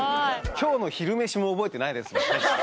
今日の昼飯も覚えてないです。